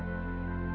nah hora tinggal